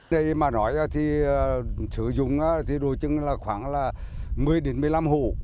đây mà nói thì sử dụng thì đối chứng là khoảng là một mươi đến một mươi năm hồ